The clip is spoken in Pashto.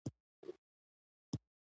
وخت په وخت ډاکټر ته تلل مهم دي.